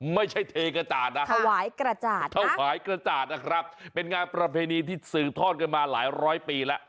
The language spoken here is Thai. เทกระจาดนะถวายกระจาดถวายกระจาดนะครับเป็นงานประเพณีที่สืบทอดกันมาหลายร้อยปีแล้ว